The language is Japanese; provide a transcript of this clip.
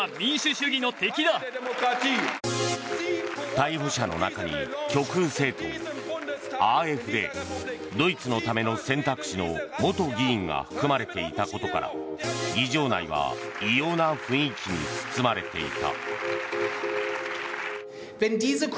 逮捕者の中に極右政党ＡｆＤ・ドイツのための選択肢の元議員が含まれていたことから議場内は異様な雰囲気に包まれていた。